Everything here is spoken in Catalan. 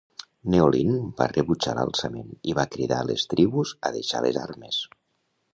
Neolin va rebutjar l'alçament i va cridar a les tribus a deixar les armes.